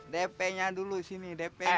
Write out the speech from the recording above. dp nya dulu sini dp nya